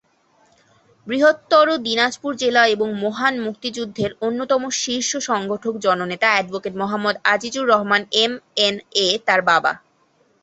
বৃহত্তর দিনাজপুর জেলা এবং মহান মুক্তিযুদ্ধের অন্যতম শীর্ষ সংগঠক জননেতা advocate Mohammad Azizur Rahman M, N, A তার বাবা।